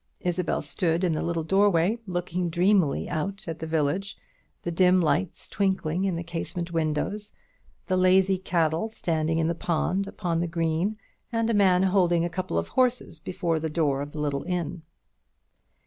Isabel stood in the little doorway, looking dreamily out at the village, the dim lights twinkling in the casement windows, the lazy cattle standing in the pond upon the green, and a man holding a couple of horses before the door of the little inn.